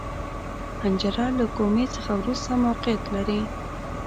حنجره له کومي څخه وروسته موقعیت لري.